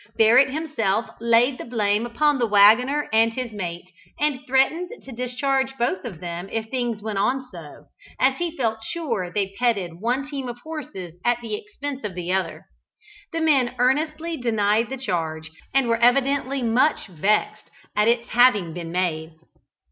Barrett himself laid the blame upon the waggoner and his mate, and threatened to discharge both of them if things went on so, as he felt sure they petted one team of horses at the expense of the other. The men earnestly denied the charge, and were evidently much vexed at its having been made.